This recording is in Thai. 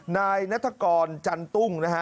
นายนัฐกรจันตุ้งนะฮะ